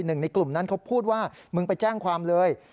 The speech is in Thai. หนึ่งในกลุ่มนั้นเขาพูดว่ามึงไปแจ้งความเลย